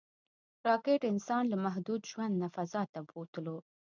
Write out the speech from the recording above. راکټ انسان له محدود ژوند نه فضا ته بوتلو